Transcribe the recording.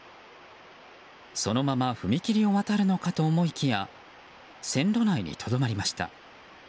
そのまま踏切を渡るのかと思いきや線路内にとどまりました。